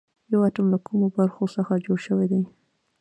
یو اتوم له کومو برخو څخه جوړ شوی دی